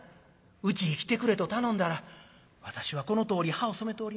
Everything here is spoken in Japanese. うちへ来てくれと頼んだら『私はこのとおり歯を染めております。